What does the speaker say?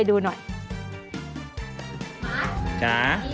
โอ้โหโอ้โหโอ้โห